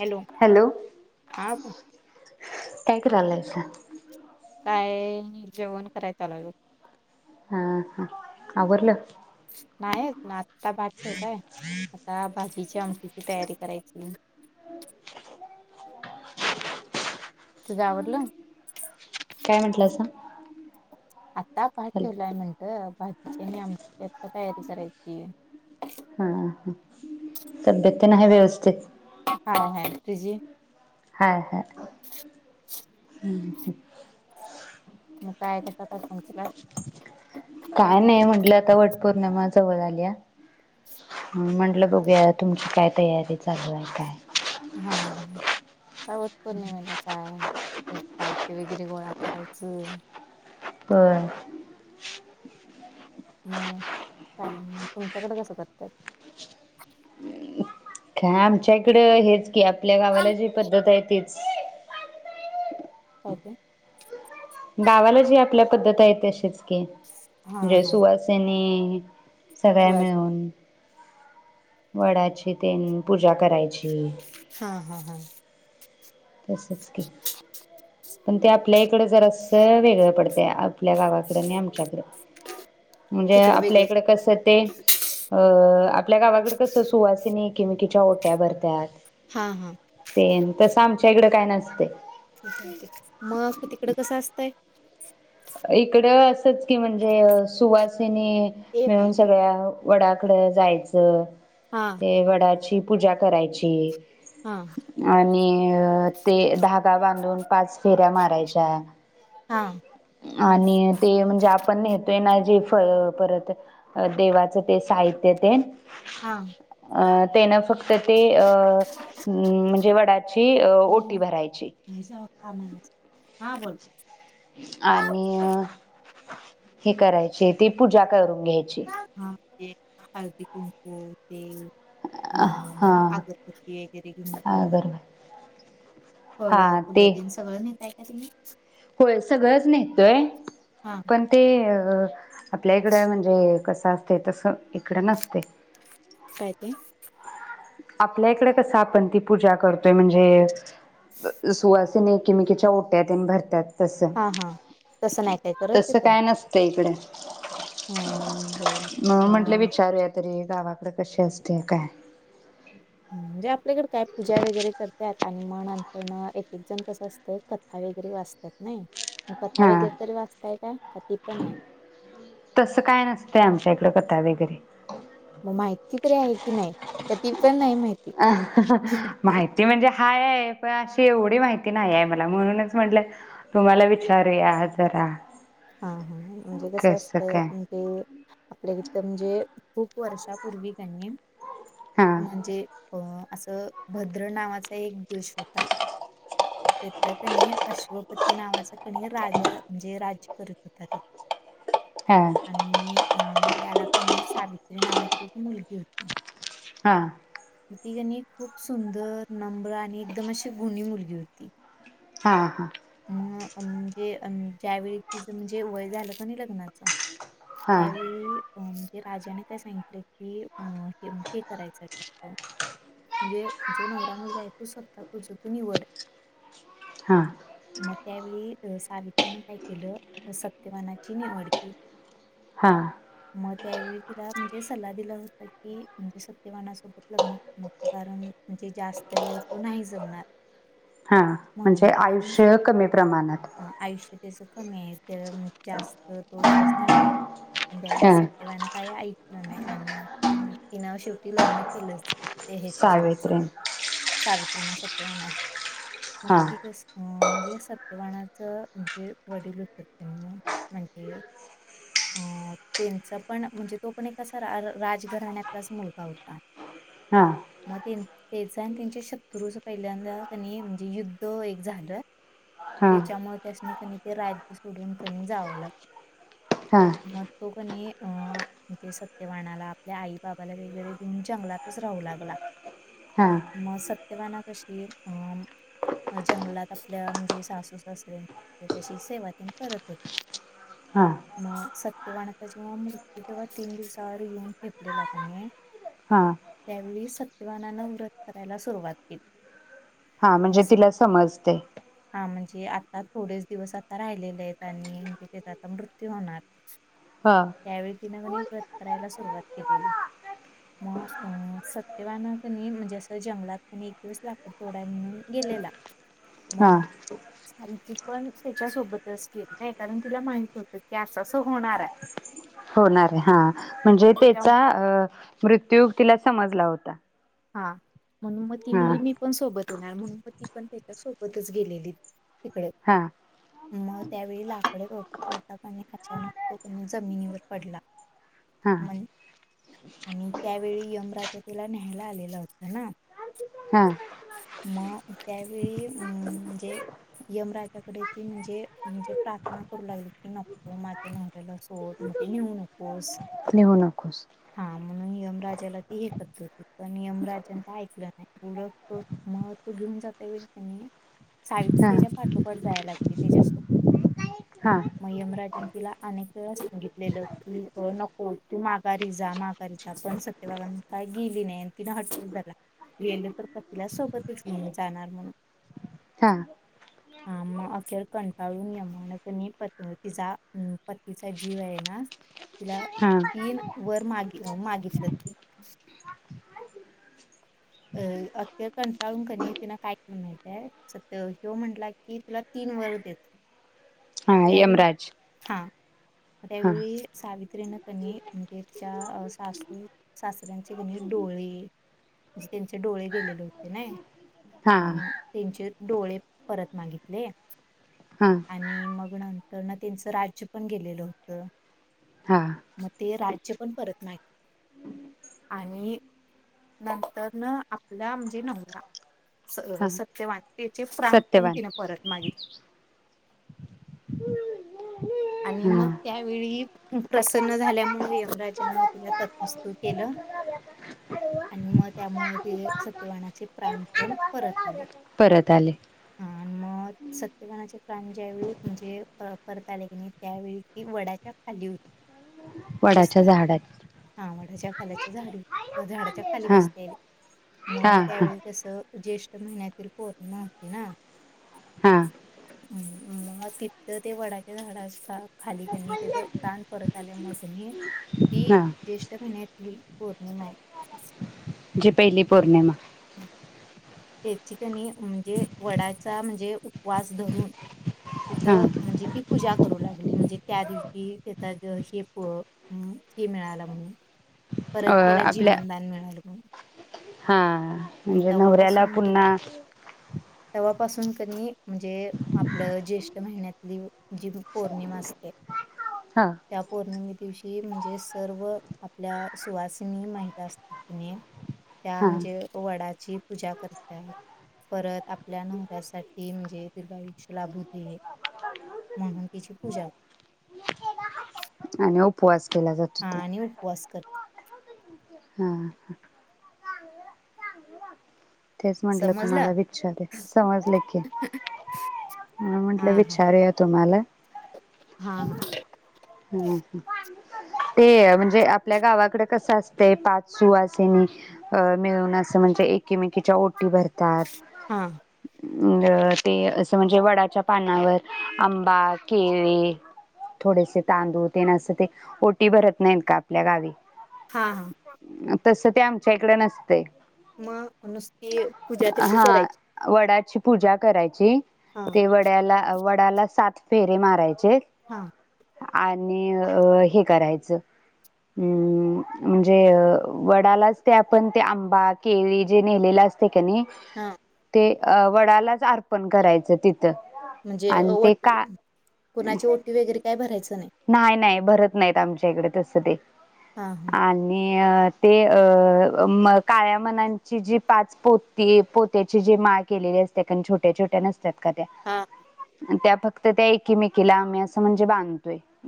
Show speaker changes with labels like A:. A: Hello हा
B: काय करायला सा
A: काय जेवण कराय चाललोय.
B: ह ह आवरल.
A: नाहीच ना आता भात ठेवलाय, आता भाजीच्या आमटीची तयारी करायची. तुझं आवरल.
B: काय म्हटलंला सा?
A: आता भात ठेवलाय म्हणत भाजीची आणि आमटीची आता तयारी करायची.
B: हां हां तब्येत तेन आहे व्यवस्थित
A: हाय हाय तुजी
B: हाय हाय हम्म [inaudible]
A: मग काय कसा काय फोन केला
B: काय नाही म्हटलं आता वटपौर्णिमा! जवळ आल्या म्हंटलं बघूया, तुमची काय तयारी चालू आहे काय?
A: हा हा आता वट पौर्णिमेलाच हाय! साहित्य वगैरे गोळा करायचं.
B: बर
A: मग तुमच्याकडे कसं करत्यात
B: हा आमच्या इकडं हेच की आ आपल्या गावाला जी पद्धत आहे तीच.
A: काय ते
B: गावाला जी आपल्या पद्धत आहे तशीच की
A: हा
B: म्हणजे
A: हा
B: सुवासिनी एक सगळे
A: सुवास
B: मिळून वडाची तेन पूजा करायची.
A: हा हा हा
B: तसंच की पण ते आपल्या इकडं जरा, असं वेगळं पडतय आपल्या गावाकड आणि आमच्याकडं म्हणजे
A: तिकडं
B: आपल्या
A: वेगळं
B: इकड कस, ते अ आपल्या गावाकडे कस सुवासिनी किमकीच्या ओट्या भरत्याात.
A: हा हा
B: ते तस आ- त्याच्या इकडं काय नसतय.
A: मग तिकड कसं असतंय. [unintelligible]
B: इकडं असच की म्हणजे सुवासि- नी
A: ए
B: मिळून
A: भाई
B: सगळ्या- वडाकड जायचं-
A: हा
B: ते वडाची- पूजा करायची.
A: हा
B: आणि- अ- ते धागा बांधून पाच फेऱ्या मारायच्या.
A: हा.
B: आणि ते म्हणजे आपण नेतोय ना जे फळ परत देवाचं ते साहित्य तेन
A: हा
B: अ तेन फक्त ते अ म्हणजे वडाची ओटी भरायची.
A: भाईचा हा बोल.
B: आणि हे करायचे ते पूजा करून घ्यायची.
A: हळदी, कुंकू, तेल-
B: हा
A: अम्म आगरबत्ती वगैरे घेऊन जाऊन
B: अगरबा
A: -फळ फुलंन ते -सगळं नेताय नाही तुम्ही?
B: होय सगळंच नेतोय
A: हा
B: पण ते अ आपल्या इकडं म्हणजे कसं आसतय तसं इकडं नसतय.
A: काय ते?
B: आपल्या इकडे कसं आपण ती पूजा करतोय म्हणजे सुहास तेनी एकीमेकीच्या ओट्या तेन भरत्यात. तस
A: हा हा तसं नाही काय करत
B: -तस
A: तिथं
B: काय नसतय इकडं.
A: हा बर
B: म म्हटले
A: मग
B: विचारूया तरी? गावाकड कशी असते काय
A: म्हणजे आपल्याकडे काय पूजा वगैरे करत्यात आणि मग नंतर न एक एक जण कसं असतय कथा वगैरे वाचतात ना?
B: हा
A: ती पण नाही
B: -तस काय नसतय आमच्या इकड कथा वेगैरे
A: म माहिती तरी आहे की नाही? का ते पण नाही माहित
B: माहिती म्हणजे हाय -पण अशी तेवढी माहिती नाही आहे मला -म्हणूनच म्हटलं तुम्हाला विचारूया -जरा.
A: हा हा म्हणजे कसं असतंय? म्हणजे आपल्या इथं म्हणजे, खूप वर्षापूर्वी कणी
B: हा
A: म्हणजे अ आसं भद्र नावाचा एक देश होता, तिथकणी अश्वपती नावाचा कणी राजा म्हणजे राज्य करत होता तिथं.
B: हा
A: आणि. हो त्याला कणी सावित्री नावाची एक मुलगी होती.
B: हा
A: ती कणी खूप सुंदर नम्र आणि एकदम अशी गुणी मुलगी होती.
B: हा हा
A: म म्हणजे आणि त्यावेळी तिचं म्हणजे वय झालं क नाही लग्नाचं.
B: हा
A: त्यावेळी अम राजाने काय सांगितलं की अ हे करायचं त्याचा, म्हणजे जो नवरा मुलगा आहे तो स्वतः तुझ तू निवड.
B: हा
A: म त्यावेळी सारी त्यांना काही केलं व सत्यवानाची निवड केली.
B: हा.
A: मग त्यावेळी तिला म्हणजे सल्ला दिला होता की सत्यवानासोबत लग्न न कारण म्हणजे जास्त वेळ तो नाही जगणार.
B: हा,
A: म्हणून
B: म्हणजे
A: पण
B: आयुष्य कमी प्रमाणात.
A: अ, आयुष्य त्याचं कमी आहे तर म जास्त तोरी बस नाही तर त्यावेळी
B: हा
A: सत्यवान काय ऐक नाही आणि तिना शेवटी लग्न केलंच. हे हच्या सोबच
B: सावित्री
A: [unintelligible] सावि तीन सत्यवनाशी.
B: हा
A: मक्खी कसं सत्यवानाच म्हणजे. वडील होत त्यांनी म्हणजे अं त्यांचा पण म्हणजे तो पण एक अस राजघराण्यातलाच मुलगा होता.
B: हा.
A: म त्याचं त्यांच्या शतरू पहिल्यांदा कनई म्हणजे युद्ध एक झालंय
B: हा
A: त्याच्यामुळे त्यास्नीकानी ते राज्य सोडून कणी जावं लागल.
B: हा
A: म. तो कणी अ म्हणजे सत्यवाणाला आपल्या आई बाबाला वगैरे घेऊन जंगलातच राहू लागला.
B: हा
A: म सत्य सत्यवाना पशी अ जंगलात आपल्या म्हणजे सासू सासरे त्याशी सेवा तेन करत होती,
B: हा
A: मग सत्यवानाचा मृत्यू जेव्हा तीन दिवसावर येऊन ठेपलेला कणी
B: हा
A: त्यावेळी सत्यवानान व्रत करायला सुरुवात केली.
B: हा म्हणजे तिला समजतय.
A: हे आता थोडे दिवस आता राहिलेले आहेत आणि म्हणजे ते आता मृत्यू होणार.
B: हा
A: त्यावेळी ति नागणे. वत करायला सुरुवात केलेली मग अ सत्यवान कनी म्हणजे असं जंगलात कनी एक दिवस लाकूड तोडाय म्हणून गेलेला.
B: हा
A: आणि ती पण त्याच्यासोबतच केलय, कारण तिला माहित होतं की असं-असं होणार आहे.
B: होणार आहे. हा म्हणजे त्याचा
A: त्याच्यामुळे
B: अ मृत्यू तिला समजला होता.
A: हां म्हणून मग ती
B: हा
A: म्हणली मी पण सोबत णार म्हणून म ती पण तेच्या सोबतच गेलेलीत. तिकडे
B: हा
A: म त्यावेळी लाकड तोडता-तोडता कणी अचानक तो कणी जमिनीवर पडला
B: हा
A: म आणि त्यावेळी यमराजा त्याला न्ह्या न्ह्यायला आलेला होत ना,
B: हम
A: म त्यावेळी अं म्हणजे यमराजाकडे ती म्हणजे म्हणजे प्रार्थना करू लागली की नको माझ्या नवऱ्याला सोड म्हणजे नेऊ नकोस
B: लिहू नकोस
A: हा म्हणून यमराला ती हे क पण यमराजन काय ऐकलं नाही उलट तो म तो घेऊन जात्यावेळी कणी सावित्री
B: हा
A: त्याच्या पाठोपाठ जाय लागली त्याच्यासोबत
B: हा
A: म यमराजन तिला अनेक वेळा सांगितलेलं की नको तू माघारी जा माघारी जा पण सत्यभागान काय गे तेणे तिन हाट्टच धरला गेले तर पतीला सोबतच घेऊन जाणार म्हणून
B: हा
A: हा मग अखेर कंटाळून यामन कणी प तिचा पतीचा जीव आहे ना तीला
B: हा
A: तीन वर माग मागितलंत. अ अखेर कंटाळून कणी तीन काय केलं माहितीय सत्य ह्यो म्हंटला कि तुला तीन वर
B: हा
A: देतो त्यावेळी
B: यमराज
A: हा
B: हा
A: त्यावेळी सावित्रीन, कणी म्हणजे च्या सासू, सासऱ्यांचे कणी डोळे, त्यांचे डोळे गेलेले होते नाही,
B: हा
A: अ त्यांचे डोळे परत मागितले,
B: हा
A: आणि मग नंतर न त्यांचं राज्य पण गेलेलं होत,
B: हा
A: म ते राज्य पण परत मागितलं. आणि नंतर न आपला म्हणजे नवरा
B: हा
A: सत्यवान त्याचे प्राण पण
B: सत्यवान
A: तिन परत मागितले. आणि मग
B: हा
A: त्यावेळी प्रसन्न झाल्यामुळे यमराजां मग तिला तथस्तु केलं, आणि मग त्यामुळे तेि सत्यवाणाचे प्राण पण परत आले.
B: परत आले.
A: हा आणि सत्यवानाचे प्राण ज्यावेळी म्हणजे परत आले त्यावेळी ती वडाच्या खाली होत.
B: वडाच्या
A: बसलेली,
B: झाडात
A: हा वडाच्या [inaudible] खाली
B: हा
A: बसलेली
B: हा
A: मगं
B: हा
A: त्यावेळी कसं ज्येष्ठ - महिन्यातील पौर्णिमा होती ना
B: हा
A: मग तिथ ते वडा- झाडा खाली कणी तिथं प्राण परत आल्या मुळ कणी, ती
B: हा
A: ज्येष्ठ महीन्यात - मी पौर्णिमाये!
B: जी पहिली पौर्णिमा!
A: याची कणी म्हणजे वडाचा म्हणजे उपवास धरून
B: हा
A: तिथं म्हणजे ती पूजा करू लागली! म्हणजे त्या दिवशी त्याचा हे हे मिळाल परत
B: अ
A: त्याला
B: आपल्या
A: जीवनदान मिळालं! [unintelligible]
B: हा. म्हणजे नवऱ्याला
A: तवापासून
B: पुन्हा
A: पासून कनी म्हणजे! आपलं ज्येष्ठ महिन्यातली जी पौर्णिमा असते!
B: हा
A: त्या पौर्णिमे दिवशी म्हणजे सर्व आपल्या सुवासिनी महिला असत्यात कणी त्या
B: हा
A: म्हणजे वडाची पूजा करत परत आपल्या नवऱ्यासाठी म्हणजे दीर्घायुष्य लाभू दे! म्हणून तिची पूजा
B: आणि उपवास केला जातो
A: हा
B: ते
A: आणि उपवास करते!
B: हा हा. तेच म्हटलं तुम्हाला
A: समजलं
B: विचारू! समजले की
A: हा
B: म्हटलं!
A: हा
B: विचारूया तुम्हाला!
A: हा हा.
B: ह ते म्हणजे आपल्या गावाकडे कसं असतंय! पाच सुवासीनी मिळून असं म्हणजे एकमेकीच्या ओटी भरतात?
A: हा...
B: ते असं म्हणजे वडाच्या पानावर आंबा केळी थोडेसे तांदूळ तेन असं ते ओटी भरत नाहीत का आपल्या गावी
A: हा हा.
B: तसं ते आमच्या इकडे नसतयं.
A: मगं नुसती पूजा तशी करायची!
B: ची पूजा करायची!
A: हा
B: ते वडाला [unintelligible] त्याला सात फेरे मारायचे!
A: हा.
B: आणि हे करायचं! हम्म म्हणजे वडालाच ते आपण ते आंबा केळी जे नेलेले असते कनी
A: हा..
B: अ वडालाच अर्पण करायच ते
A: म्हणजे व
B: का
A: कुणाची ओटी वैगेरे काय भरा
B: न्हाय नाय. भरत नाहीत आमच्या इकडे तसं ते.
A: हा हा
B: आणि. ते अ मं काळ्या मन्याची जी पाच पोती पोत्याची जी माळ केलेली असते, खण छोट्या छोट्या नसा त्यात, का त्या,
A: हा
B: न त्या. फक्त त्या एकीमेकीला, आम्ही असं म्हणजे बांध [inaudible]